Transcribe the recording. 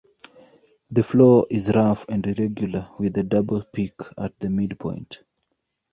The floor is rough and irregular, with a double-peak at the midpoint.